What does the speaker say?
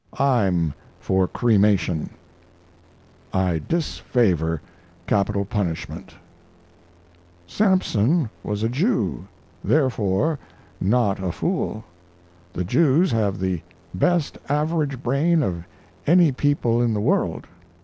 "I'm for cremation." "I disfavor capital punishment." "Samson was a Jew, therefore not a fool. The Jews have the best average brain of any people in the world.